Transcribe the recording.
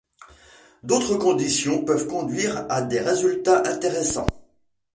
D'autres conditions peuvent conduire à des résultats intéressants.